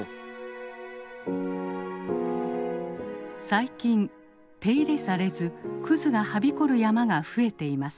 最近手入れされずクズがはびこる山が増えています。